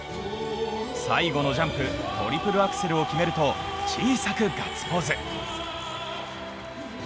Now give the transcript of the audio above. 最後のジャンプ、トリプルアクセルを決めると、小さくガッツポーズ。